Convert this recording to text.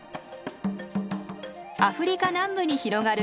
アフリカ南部に広がる